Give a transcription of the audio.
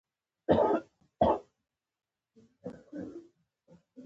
د انګریز له سفارت څخه را ووځم.